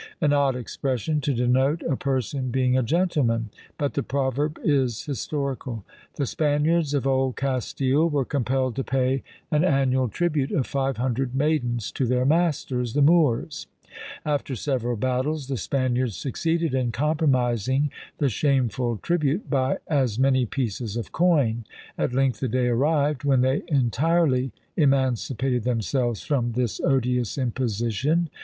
An odd expression to denote a person being a gentleman! but the proverb is historical. The Spaniards of Old Castile were compelled to pay an annual tribute of five hundred maidens to their masters, the Moors; after several battles, the Spaniards succeeded in compromising the shameful tribute, by as many pieces of coin: at length the day arrived when they entirely emancipated themselves from this odious imposition.